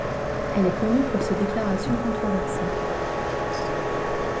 Elle est connue pour ses déclarations controversées.